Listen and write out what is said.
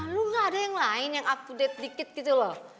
lu gak ada yang lain yang update dikit gitu loh